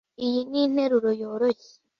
Iyi ninteruro yoroshye